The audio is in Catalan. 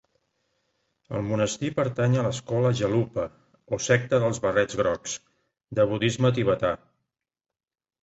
El monestir pertany a l'escola gelupa, o secta dels barrets grocs, de budisme tibetà.